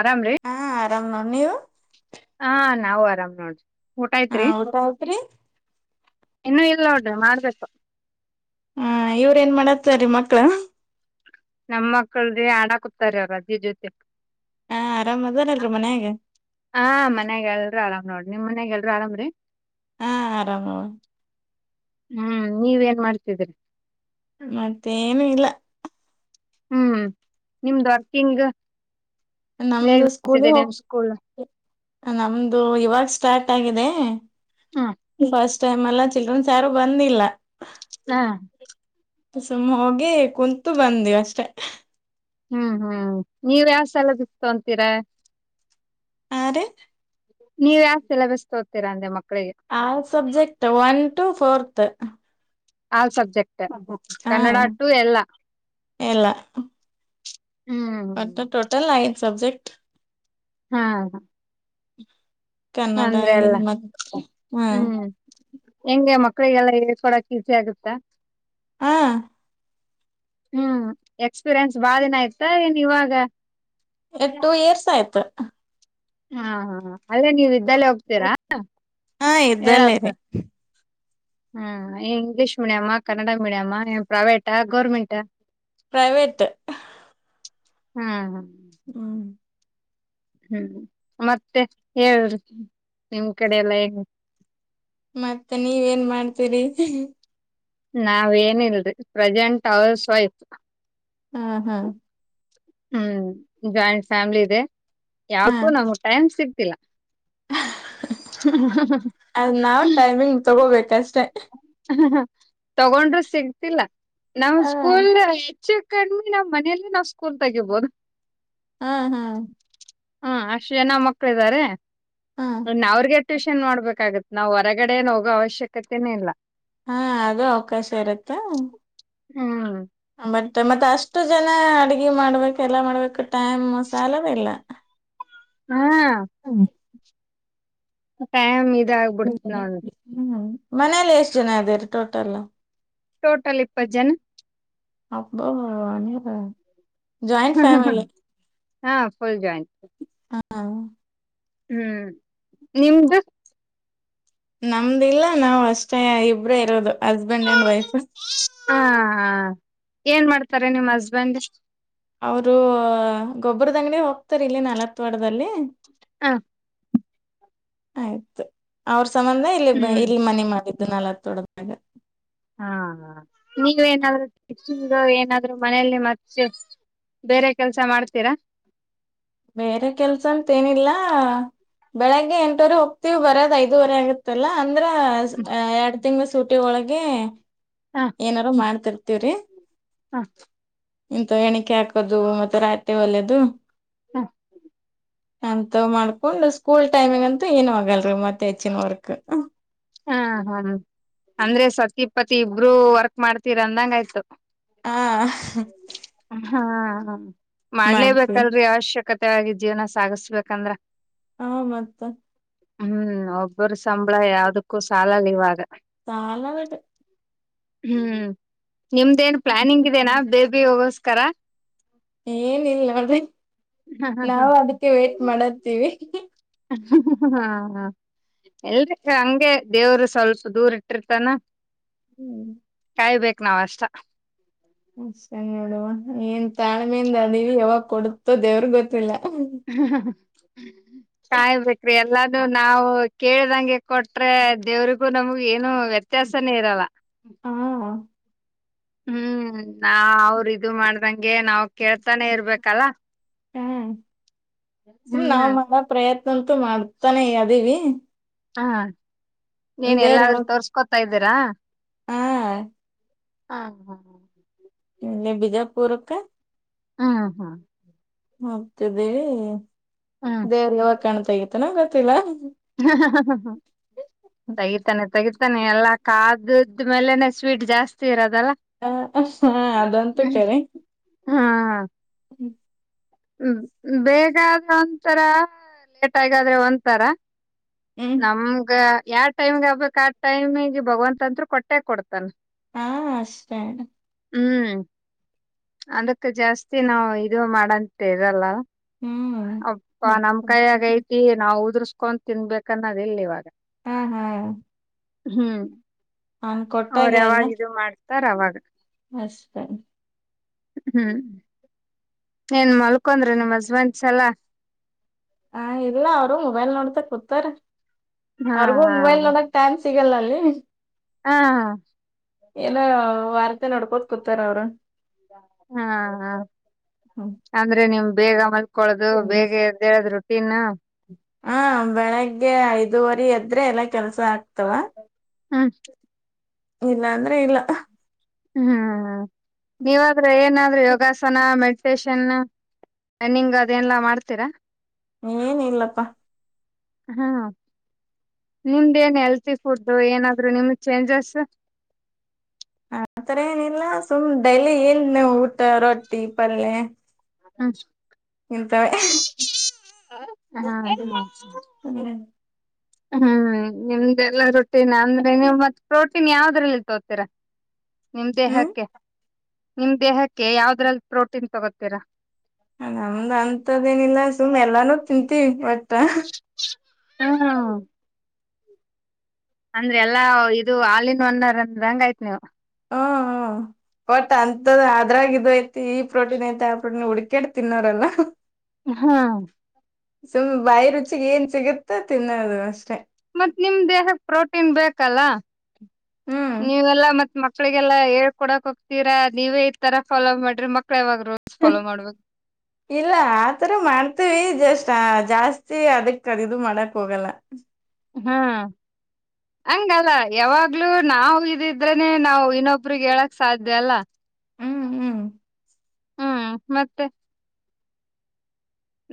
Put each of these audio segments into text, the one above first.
ಆರಾಮ್ರೀ ಹಾ ಆರಾಮ್ ನೋಡ್ ನೀವು ಹಾ ನಾವು ಆರಾಮ್ ನೋಡ್ರಿ ಊಟ ಹಾ ಆಯ್ತ್ರಿ ಊಟ ಹತ್ರಿ [unintelligible] ಇನ್ನು ಇಲ್ಲ ನೋಡ್ರಿ ಮಾಡ್ಬೇಕು ಹಾ ಇವ್ರ ಏನ್ ಮಾಡತ್ತಾರೀ ಮಕ್ಳ ನಮ್ಮ ಮಕ್ಳೀ ಆಡಾ ಕೂತಾರೆ ಅವರಾ ಅಜ್ಜಿ ಜೊತೆ ಹ ಆರಾಮ್ ಅದಾರಲ್ರಿ ಮನ್ಯಾಗ ಹ ಮನೆಗೆಲ್ಲರು ಆರಾಮ್ ನೋಡ್ರಿ ನಿಮ್ ಮನ್ಯಾಗ ಎಲ್ಲರು ಆರಾಮ್ರೀ ಹಾ ಆರಾಮವ ಹ್ಮ್ ನೀವೇನ್ ಮಾಡ್ತಿದ್ದೀರಿ ಮತ್ತೇನು ಇಲ್ಲ ಹ್ಮ್ ನಿಮ್ದು [unintelligible] ನಮ್ದು ಸ್ಕೂಲಿ ಹೋಗ್ ನಮ್ದು ಇವಾಗ ಸ್ಟಾರ್ಟ್ ಆಗಿದೆ ಹ್ಮ್ ಬಸ್ [unintelligible] ಚಿಲ್ದ್ರೆನ್ಸ್ ಯಾರು ಬಂದಿಲ್ಲ ಹಾ ಸುಮ್ಮ ಹೋಗಿ ಕುಂತು ಬಂದಿವ ಅಷ್ಟೆ ಹ್ಮ್ ಹ್ಮ್ ನೀವ್ ಯಾವ ಸಲ [unintelligible] ಅಂತೀರಾ ಆರು ನೀವ ಯಾವ ಸಿಲ್ಲಬುಸ್ ತೋತೀರಾಂದೆ ಮಕ್ಕ [unintelligible] subject one two fourth all ಸಬ್ [unintelligible] ಟ್ ಹಾ ಕನ್ನಡ ಟು ಎಲ್ಲ ಎಲ್ಲ [unintelligible] ಟೋಟಲ್ ಐ ಸಬ್ಜೆಕ್ಟ್ ಹಾ ಕನ್ನಡ ಅಂದ್ರೆ ಎಲ್ಲ ಮತ್ತ ಹ್ಮ್ ಕ್ಕಳಿಗೆ ಎಲ್ಲ ಹೇಳ್ಕೊಡಕ್ ಈಸಿ ಆಗುತ್ತಾ ಹಾ ಹ್ಮ್ ಎಕ್ಸ್ಪೀರಿಯನ್ಸ್ ಬಾಳ್ ದಿನ ಇತ್ತ [unintelligible] ಇವಾಗ ಎ ಟೂ ಇಯರ್ಸ್ ಆಯ್ತ್ ಹಾ ಹಾ ಹ ಅಲ್ಲೇ ನೀವ ಇದ್ದಲ್ಲೆ ಹೋಗ್ತೀರಾ ಹಾ ಇದ್ದಲ್ಲೇ ರೀ [unintelligible] ಹ್ಮ್ ಏ ಇಂಗ್ಲಿಷ್ ಮೀಡಿಯಾಮಾ ಕನ್ನಡ ಮೀಡಿಯಮ್ಮಾ ಏ ಪ್ರೈವೇಟಾ ಗೌರ್ಮೆಂಟಾ ಪ್ರೈವೇಟ್ ಹ್ಮ ಹ ಹ್ಮ್ ಹ್ಮ್ ಮತ್ತೆ ಹೇಳ್ರಿ ನಿಮ್ ಕಡೆ ಎಲ್ಲ [unintelligible] ಮತ್ತೆ ನೀವ ನ್ ಮಾಡ್ತೀರಿ ನಾವೇಏನಿಲ್ರಿ ಪ್ರೆಸೆಂಟ್ ಹೌಸ್ ವೈಫ್ ಆ ಹಾ. ಹ್ಮ್, ಜಾಯಿಂಟ್ ಫ್ಯಾಮಿಲಿ ಇದೆ. ಹಾ ಯಾಕೊ ನಮಗ್ ಟೈಮ್ ಸಿಗ್ ತಿಲ್ಲಾ. [unintelligible] ಅದ್ ನಾವ್ ಟೈಮಿಂಗ್ ತಗೋಬೇಕಷ್ಟೆ. ತೊಗೊಂಡ್ರು ಸಿಗ್ತಿಲ್ಲ. ನಮ್ ಹ ಸ್ಕೂಲ್ನ ಹೆಚ್ ಕಣ್ ಮೀನ ಮನೇಲೆ ನಾವ್ ಕುಂತಗ್ಯೋಬಂದ್ ಆ ಹಾ. ಹಾ ಅಷ್ಟ್ ಜನ ಮಕ್ಳ್ ಇದಾರೆ ಹಾ ಇನ್ ಅವ್ರ್ಗೆ ಟ್ಯೂಷನ್ ಮಾಡ್ಬೇಕಾಗತ್ ನಾವ್ ಹೊರಗಡೆ ಏನ್ ಹೋಗೋ ಅವಶ್ಯಕತೆನೆ ಇಲ್ಲ. ಹಾ ಅದು ಅವಕಾಶ ಇರುತೆ. ಹ್ಮೂ. ಮತ್ತೆ ಮತ್ತೆ ಅಷ್ಟು ಜನ ಅಡಗಿ ಮಾಡ್ಬೇಕೆಲ್ಲ ಮಾಡ್ಬೇಕ ಟೈಮ್ ಸಾಲದೇ ಇಲ್ಲ. ಹಾ ಹ್ಮ. ಟೈಮ್ ಇ ಇದಾಗ್ಬುಡ್ತ್ ನೋಡ್ ಮನೇಲಿ ಎಷ್ಟ್ ಜನ ಇದ್ದಿರ್ ಟೋಟಲ್? ಟೋಟಲ್ ಇಪ್ಪತ್ ಜನ. ಅಬ್ಬಬ್ಬಬ್ಬ ನೀವಾ? Joint family. ಹಾ. ಫುಲ್ ಜಾಯಿಂಟ್ ಆ. ಹ್ಮು ನಿಮ್ದು? ನಮ್ದೆಲ್ಲ ನಾವ್ ಅಷ್ಟ್ಐವ್ ಇಬ್ರೇ ಇರೋದು. ಹಸ್ಬೆಂಡ್ ಅಂಡ್ ವೈಫ್ ಹಾ. ಏನ್ ಮಾಡ್ತಾರೆ ನಿಮ್ ಹಸ್ಬೆಂಡ್. ಅವ್ರು ಗೊಬ್ರದಂಗಡಿ ಹೋಗ್ತಾರ್ ಇಲ್ಲೆ ನಲತ್ವಾಡ್ದಲ್ಲಿ. ಹಾ ಆಯ್ತು ಅವ್ರ್ ಸಂಬಂಧ ಇಲ್ಲಿ ಬಂ ಹ್ಮ್ ಇಲ್ಲಿ ಮನೆ ಮಾಡಿದ್ದು ನಲತ್ವಡ್ ಅಣ. ಹಾ ನೀವೂ ಏನಾದ್ರು ಟಿಪ್ಸಿಂಗ್ [unintelligible] ಏನಾದ್ರು ಮನೇಯಲ್ಲಿ ಮತ್ತೆ ಬೇರೆ ಕೆಲ್ಸ ಮಾಡ್ತೀರಾ ಬೇರೆ ಕೆಲ್ಸ ಅಂತ ಏನಿಲ್ಲಾ ಬೆಳಗ್ಗೆ ಎಂಟುವರೆ ಹೋಗ್ತಿವಿ ಬರದ್ ಐದುವರೆ ಆಗತ್ತಲ್ಲ ಅಂದ್ರ ಎರಡ್ ತಿಂಗಳ ಸುಟ್ಟಿ ಸುಟ್ಟಿ ಒಳಗೆ ಹ ಏನಾರು ಮಾಡ್ತಿರ್ತಿವ್ರಿ ಹಾ ಎಂತ ಎಣಿಕೆ ಹಾಕೋದು ಮತ್ತೆ ರಾತ್ರಿ ಹೊಲಿಯೋದು ಹಾ ಅಂತ ಮಾಡ್ಕೊಂಡ್ ಸ್ಕೂಲ್ ಟೈಮಿಂಗ್ ಅಂತೂ ಏನ್ ಆಗಲ್ರಿ ಮತ್ತೆ ಹೆಚ್ಚಿನ ವರ್ಕ್. ಹಾ ಹಾ ಅಂದ್ರೆ ಸತಿ ಪತಿ ಇಬ್ರುೂ ವರ್ಕ್ ಮಾಡ್ತೀರ ಅಂದಂಗ ಆಯ್ತು. ಹಾ. ಹಾ ಹ. ಮಾಡ್ಲೇಬೇಕಲ್ರರಿ ಅವಶ್ಯಕತೆ. ಮುತಾಗಿ ಜೀವನ ಸಾಗಸ್ಬೇಕಂದ್ರ. ಹಾ ಮತ್ತ. ಹೂ ಬರೋ ಸಂಬಳ ಯಾವದಕ. ಸಾಲಲ್ಲ ಇವಾಗ. ತಳ. [unintelligible] ಹೂ ನಿಮ್ದ ಏನ್ ಪ್ಲಾನಿಂಗ್ ಇದೆನಾ ಬೇಬಿ ಹೋಗೋಸ್. [unintelligible] ಕರ. ಏನಿಲ್ಲಾ ನೋಡ್ರಿ ನಾವು ಅದಕ್ಕೆ ವೇಟ್ ಮಾಡಾತೀವಿ. ಹೂ ಹಾ ಎಲ್ರಿ ಹಂಗೆ ದೇವ್ರು ಸ್ವಲ್ಪ ದೂರ ಇಟ್ಟಿರ್ತಾನ. ಹೂ ಕಾಯಬೇಕೇು ನಾವ್ ಅಷ್ಟ ಹ ನೋಡುವ ಏನ್ ತಾಳ್ಮೆಯಿಂದ ಅದಿವವಿ ಯಾವಾಗ ಕೊಡುತ್ತೋ ದೇವ್ರಗ್ ಗೊತ್ತಿಲ್ಲ. ಹುಹುಹು ಕಾಯು ಬೇಕ್ರಿ ಎಲ್ಲ. ಇದು ನಾವು ಕೇಳ್ದಂಗೆ ಕೊಟ್ರೆ ದೇವ್ರಿಗೂ ನಮಗ ಏನು ವ್ಯತ್ಯಾಸನೇ ಇರಲ್ಲ. ಹಾ. ಹೂ ನಾ ಅವ್ರ ಇದು ಮಾಡ್ದಂಗೆ ನಾವ್ ಕೇಳ್ತಾನೆ ಇರ್ಬೇಕಲ್ಲ. ಹೂ ಸುಮ ಹ್ಮ್ ನವು [unintelligible] ಮ ಪ್ರಯತ್ನ. ಅಂತು ಮಾಡ್ತಾನೆ ಅದೀವಿ. ಹಾ. ನೀನ್ ದೇವ್ರ ಎಲ್ಲಾದ್ರೂ ಯಾವಾಗ ತೋರಿಸ್ಕೊತ ಇರ ದರಾ. ಹಾ. ಹಾ ಹಾ ಹ. ಇಲ್ಲೆ ಬಿಜಾಪುರಕ್ಕ. ಹ್ಮ ಹಾ. ಮತ್ತ್ ಅದೆ. ಹ್ಮ್ ದೇರ್ಯಾವಗ್ ಕಾಣ್ತ ಆಗುತ್ತೇನೋ ಗೊತ್ತಿಲ್ಲಾ. ಇದ್ ಮೇಲೆನೆ ಸ್ವೀಟ್ ಜಾಸ್ತಿ ಇರೋದ್ ಹ ಹಃ ಹಾ ಅದಂತೂ ಕರೆ. ಹಾ. ಹ್ಮ್ ಬೇಗಾದ್ರೆ ಒಂತರ ಲೇಟಗಾದ್ರೆ ಒಂತರ. ಹ್ಮ್ ನಮ್ಗ ಯಾವ್ ಟೈಮ್ಗ್ ಆಗ್ಬೇಕ್ ಆ ಟೈಮಿಗೆ ಭಗವಂತಂತ್ರು ಕೊಟ್ಟೆ ಕೊಡ್ತಾನ. ಹಾ ಅಷ್ಟೆ. ಹ್ಮ್ ಅದಕ್ ಜಾಸ್ತಿ ನಾವು ಇದು ಮಾಡಂತ್ ಟೆ ಇರಲ್ಲ. ಅಪ್ಪಾ ಹ್ಮ್ ನಮ್ ಕಾಯಾಗ್ ಐತಿ ನಾವ್ ಉದ್ರುಸ್ ಕೊನ್ ತಿನ್ಬೇಕನ್ನೋದ್ ಇಲ್ ಇವಾಗ. ಹ ಹಾ. ಹ್ಮ್ ಅವ್ನ್ ಕೊಟ್ಟಾಗೆಲ್ಲಾ. ತರ್ ಅವಾಗ. ಅಷ್ಟ. ಹ್ಮ್. ಎನ್ ಮಲ್ಕೊಂದ್ರಿ ನಿಮ್ ಹಸ್ಬೆಂಡ್ಸ್ ಎಲ್ಲ. ಹ ಇಲ್ಲ ಅವ್ರು ಮೊಬೈಲ್ ನೋಡ್ತೊ ಕುತ್ತರ. ಹಾ ಅವ್ರಗೂ ಮೊಬೈಲ್ ನೋಡಕ್ ಟೈಮ್ಸ್ ಸಿಗಲ್ಲಾ ಅಲ್ಲಿ. ಹಾ. ಹಾ ಏನೋ ವಾರ್ತೆ ನೋಡ್ಕೋತ್ ಕುತ್ತಾರ್ ಅವ್ರು. ಹಾ ಹಾ ಹ್ಮ್ ಅಂದ್ರೆ ನಿಮ್ ಬೇಗ ಮಲ್ ಕೊಳ್ಳೋದು ಬೇಗ ಎದ್ದೆಳ್ದ್ ರುಡ್ ಪಿನ್ನಾ. ಹಾ ಬೆಳಿಗ್ಗೆ ಐದುವರಿ ಎದ್ರೆ ಎಲ್ಲಾ ಕೆಲ್ಸ ಆಗ್ ತವಾ. ಹ್ಮ್ ಇಲ್ಲಾ ಅಂದ್ರೆ ಇಲ್ಲ. ಹ್ಮ್. ನೀವಾದ್ರೂ ಏನಾದ್ ಅಂದ್ರ [unintelligible] ಯೋಗಾಸನ ಮೆಡಿಟೇಷನ್ ರನ್ನಿಂಗ್ ಅದೆಲ್ಲಾ ಮಾಡ್ತೀರಾ. ಏನ ಇಲ್ಲಪ್ಪಾ ಹಾ ನಿಮ್ದೇನ್ ಹೆಲ್ತಿ ಫುಡ್ ಏನಾದ್ರು ನಿಮ್ದ ಚೇಂಜಸ್ ಹ ಆತರ ಏನಿಲ್ಲ ಸುಮ್ ಡೈಲಿ ಏಲ್ ನೀ [unintelligible] ಊಟ ರೊಟ್ಟಿ ಪಲ್ಯೆ ಹಾ ಎಂತ ಹಾ [unintelligible] ಹ್ಮ್ ನಿಮ್ದೆಲ್ಲಾ ರೊಟಿನ್ ಅಂದ್ರೆ ನೀವು ಮತ್ ಪ್ರೋಟೀನ್ ಯಾವದ್ರಲ್ಲಿ ತೋತೀರಾ ನಿಮ್ ಹ್ಮ್ ದೇಹಕ್ಕೆ ನಿಮ್ ದೇಹಕ್ಕೆ ಯಾವ್ದ್ರಲ್ಲಿ ಪ್ರೋಟೀನ್ ತಗೋತೀರಾ ನಮ್ದ್ ಅಂತದೇನಿಲ್ಲ ಸುಮ್ಮ್ ಎಲ್ಲಾನು ತಿಂತೀವಿ ಓಟ್ ಟ [unintelligible] ಹ್ಮ [unintelligible] ಅಂದ್ರೆ ಎಲ್ಲಾ ಇದು ಅಲ್ ಇನ್ ಒನ್ ಅಂದ ಹೆಂಗ [unintelligible] ಆಯ್ತ್ ನೀವು ಹ್ಮ್ ಹ್ಮ ಬಟ್ ಅಂತದ ಅದ್ರಾಗ ಇದು ಐತಿ ಈ ಪ್ರೋಟೀನ್ ಐತಿ ಆ ಪ್ರೋಟೀನ್ ಹುಡ್ಕೇಡ್ ತಿನ್ನೋರಲ್ಲ ಹಾ ಸುಮ್ ಬಾಯಿ ರುಚಿಗೆ ಏನ್ ಸಿಗುತ್ತೋ ತಿನ್ನೋದು ಅಷ್ಟೆ ಮತ್ತ್ ನಿಮ ದೇಹಕ್ಕೆ ಪ್ರೋಟೀನ್ ಬೇಕಲ್ಲ. ಹ್ಮ್ ನೀವೆಲ್ಲಾ ಮತ್ ಮಕ್ ಕ್ಕಳಿಗೆಲ್ಲ ಹೇಳ್ಕೊಡಕ್ ಹೋಗ್ತೀರಾ ನೀವೇ ಈ ತರ ಫಾಲೋ ಮಾಡ್ರಿ ಮ ಇಲ್ಲ ಆತರ ಮಾಡ್ತೀವಿ ಜಸ್ ಟ್ ಜಾಸ್ತಿ ಅದಕ್ ಅದು ಇದು ಮಾಡಕ್ ಹೋಗಲ್ಲ. ಹ್ಮ್ ಹಂಗಲ್ಲ ಯಾವಾಗ್ಲೂ ನಾವು ಇದಿದ್ರನೆ ನಾವು ಇನ್ನೊಬ್ರಿಗೆ ಹೇಳಕ್ ಸಾಧ್ಯ ಅಲ್ಲ ಹ್ಮ್ ಹ್ಮ್ ಹ್ಮ್ ಮತ್ತೆ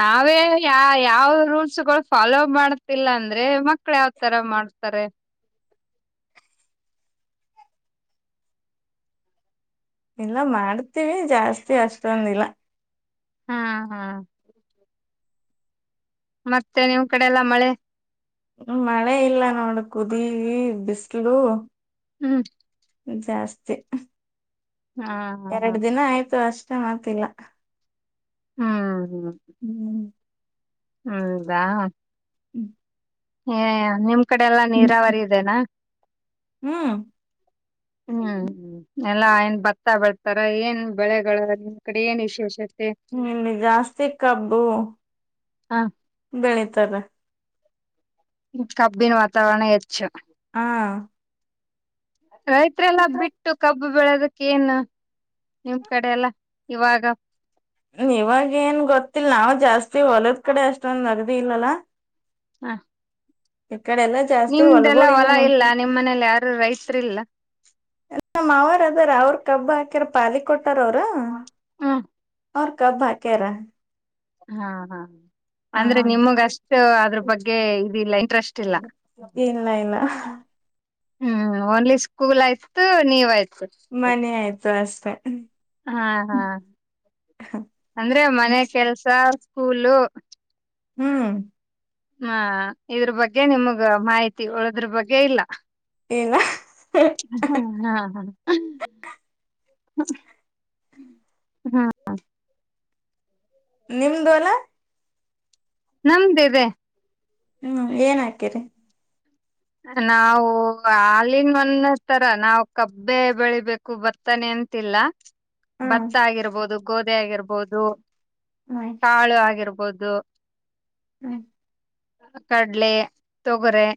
ನಾವೇ ಯ ಯಾವ ರೂಲ್ಸ್ ಗಳು ಫಾಲೋ ಮಾಡ್ತಿಲ್ಲ ಅಂದ್ರೆ ಮಕ್ಳ ಯಾವ್ತರ ಮಾಡ್ತಾರೆ. ಇಲ್ಲ ಮಾಡ್ತೀವಿ ಜಾಸ್ತಿ ಅಷ್ಟೊಂದಿಲ್ಲ ಹಾ ಹಾ ಮತ್ತೆ ನಿಮ್ ಕಡೆ ಎಲ್ಲಾ ಮಳೆ ಮಳೆ ಇಲ್ಲ ನೋಡ ಕುದಿ ಬಿಸಲು ಹ್ಮ್ ಜಾಸ್ತಿ ಹಾ ಹಾ ಹಾ ಎರಡು ದಿನ ಆಯ್ತು ಅಷ್ [unintelligible] ಹ್ಮ ಹ್ಮ್ ಹ್ಮ ದಾ [unintelligible] ಹ್ಮ್ [unintelligible] ಯ ಯ ನಿಮ್ ಕಡೆ ಎಲ್ಲಾ ನೀರಾವರಿ ಇದೆನಾ ಹ್ಮ್ ಹ್ಮ್ ಎಲ್ಲಾ ಎನ್ ಭತ್ತ ಬೆಳ್ತಾರ ಏನ್ ಬೆಳೆಗಳ ನಿಮ್ ಕಡೆ ಏನ್ ವಿಶೇಷ ಹ್ಮ ಇಲ್ಲಿ ಜಾಸ್ತಿ ಕಬ್ಬು ಹ ಬೆಳಿತಾರ ಕಬ್ಬಿನ ವಾತಾವರಣ ಹೆಚ್ಚು ಹ ರೈತ್ರೆಲ್ಲಾ ಬಿಟ್ಟು ಕಬ್ಬು ಬೆಳೋದಕ್ಕ ಏನು ನಿಮ್ ಕಡೆ ಎಲ್ಲ ಇವಾಗ ಇವಾಗ ಏನ್ ಗೊತ್ತಿಲ್ಲ ನಾವ್ ಜಾಸ್ತಿ ಹೊಲದ್ ಕಡೆ ಅಷ್ಟೊಂದ ನಗದಿ ಇಲ್ಲಲ ಹಾ ಜಾಸ್ತಿ ನಿಮ್ದೆಲ್ಲ ಹೊಲಗೊಳ್ ಹೊಲ ನಮ್ ಇಲ್ಲ ಕಡೆ ನಿಮ್ಮನೆಲ್ ಯಾರು ರೈತರಿಲ್ಲ ನಮ್ ಮಾವಾರ್ ಅದಾರ ಅವ್ರ ಕಬ್ಬ ಹಾಕ್ಯಾರ ಪಾಲಿ ಕೊಟ್ಟಾರ ಅವ್ರ ಹಾ ಅವ ಕಬ್ಬ್ ಹಾಕ್ಯಾರ ಹಾ ಹಾ ಹಾ ಅಂದ್ರೆ ನಿಮಗಷ್ಟು ಅದ್ರ ಬಗ್ಗೆ ಇದಿಲ್ಲ ಇಂಟ್ರೆಸ್ಟ್ ಇಲ್ಲ ಇಲ್ಲ ಇಲ್ಲ ಹ್ಮ್ ಓನ್ಲಿ ಸ್ಕೂಲ್ ಆಯ್ತು ನೀವಯ್ತು ಮನೆ ಆಯ್ತು ಷ್ಟತ ಹಾ ಹಾ ಅಂದ್ರೆ ಮನೆ ಕೆಲ್ಸ ಸ್ಕೂಲು ಹ್ಮ್ ಹಾ ಇದ್ರ ಬಗ್ಗೆ ನಿಮಗ ಮಾಹಿತಿ ಉಳದ್ರ ಬಗ್ಗೆ ಇಲ್ಲ ಇಲ್ಲ ಹ್ಮ್ ಹಾ ಹಾ ಹ್ಮ ಹ್ಮ ಹಾ ನಿಮ್ದು ಅಲ ನಮದಿದೆ ಹ್ಮ್ ಏನ್ ಹಾಕೇರಿ ನಾವು ಹಾಲಿನ ಒಂದ ತರ ನಾವು ಕಬ್ಬೆ ಬೆಳಿಬೇಕು ಭತ್ತನೆ ಅಂತಿಲ್ಲ ಹ್ಮ್ ಭತ್ತ ಆಗಿರ್ಬೋದು ಗೋಧಿ ಆಗಿರ್ಬೋದು ಹ್ಮ್ ಕಾಳು ಆಗಿರ್ಬೋದು ಬಹುದು ಹ್ಮ್ ಕಡ್ಲೆ ತೊಗರೆ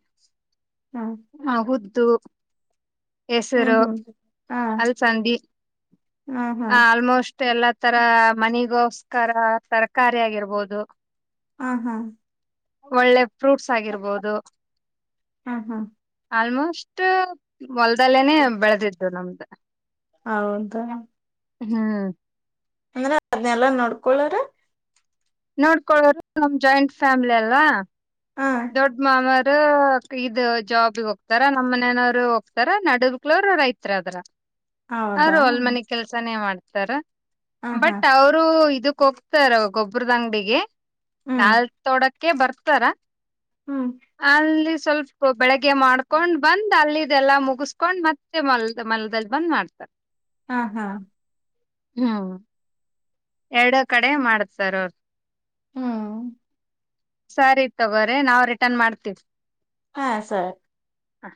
ಹೌದು ತ ಹ್ಮ್ ಹ್ಮ್ ಹೆಸರು ಹ್ಮ್ ಹಾ ಅಲಸಂದಿ ಹಾ ಹಾ ಆಲ್ಮೋಸ್ಟ್ ಎಲ್ಲಾ ತರ ಮನಿಗೋ ಕರ ತರಕಾರಿ ಆಗಿರ್ಬೋದು ಹ ಹಾ ಒಳ್ಳೆ ಫ್ರೂಟ್ಸ್ ಆಗಿರ್ಬೋದು ಹಾ ಹಾ ಆಲ್ಮೋಸ್ಟ್ ಮೊಲದಲ್ಲೇನೆ ಹಾ ಬೆಳೆದಿದ್ದು ನಮ್ಗೆ [inaudible] ಹೌದ ಹ್ಮ್ ಅಂದ್ರೆ ಅದನೆಲ್ಲಾ ನೋಡ್ಕೊಳ್ರ ನೋಡ್ಕೊಳೋರು ನಮ್ ಜಾಯಿಂಟ್ ಫ್ಯಾಮಿಲಿ ಅಲ್ವಾ ಹ ದೊಡ್ಡ ಮಾವ ಇದು ಜಾಬ್ ಹೋಗ್ತಾರ ನಮ್ಮ್ ಮನೆನವರು ಹೋಗ್ತಾರ ನಡಕ್ಲರು ರೈತ್ರರ ಅದ್ರ ಹೌದಾ ಅವರು ಅಲ್ ಮನೆ ಕೆಲ್ಸಾನೇ ಮಾಡ್ತ ತಾರ ಹ ಹಾ ಬಟ್ ಅವರು ಇದು ಹೊಗ್ತಾರ ಗೊಬ್ಬ್ರದ ಅಂಗಡಿಗೆ. ಹ್ಮ್ ನಾಲ್ ತೊಡ. ಕೆ ಬರ್ತಾರ. ಹ್ಮ್ ಅಲ್ಲಿ. ಸ್ವಲ್ಪ ಬೆಳಗ್ಗೆ ಮಾಡ್ಕೊಂಡ್ ಬಂದ್ ಅಲ್ಲಿದೆಲ್ಲಾ ಮುಗಸ್ಕೊಂಡ್ ಮತ್ತೆ ಮಲದ ಮಲದಲ್ಲಿ ಬಂದ್ ಮಾಡ್ತಾರೆ. ಹಾ ಹಾ. ಹಾ. ಎರಡ ಕಡೆ ಮಾಡತಾರ ಅವ್ರ. ಹ್ಮ್ ಸರಿ ತಗೋರಿ ನಾವು ರಿಟರ್ನ್ ಮಾಡ್ತೀವಿ. ಹಾ ಸರಿ ಹ.